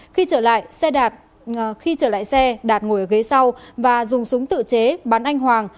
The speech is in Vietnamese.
khi trở lại xe đạt ngồi ở ghế sau và dùng súng tự chế bắn anh hoàng